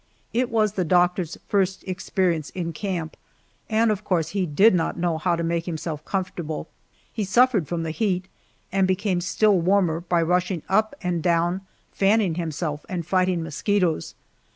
It was the doctor's first experience in camp, and of course he did not know how to make himself comfortable. He suffered from the heat, and became still warmer by rushing up and down fanning himself and fighting mosquitoes.